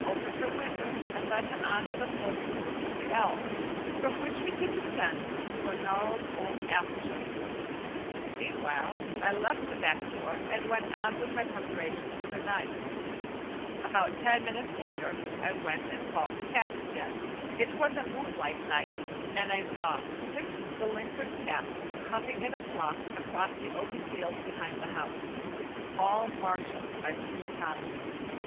opened her window and let him on to the sloping roof of the "L," from which he could descend through a gnarled old apple tree. Meanwhile I left the back door and went on with my preparations for the night. About ten minutes later I went and called the cats again. It was a moonlight night and I saw six delinquent cats coming in a flock across the open field behind the house, all marshalled by Mr. Thomas.